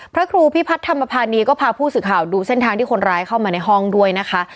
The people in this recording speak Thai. พระครูพิพัฒนธรรมภานีก็พาผู้สื่อข่าวดูเส้นทางที่คนร้ายเข้ามาในห้องด้วยนะคะ